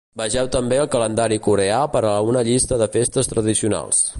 Vegeu també el calendari coreà per a una llista de festes tradicionals.